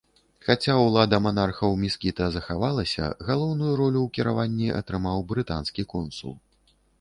Хаця ўлада манархаў міскіта захавалася, галоўную ролю ў кіраванні атрымаў брытанскі консул.